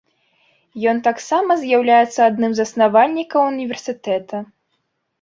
Ён таксама з'яўляецца адным з заснавальнікаў універсітэта.